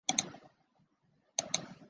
比耶尔内人口变化图示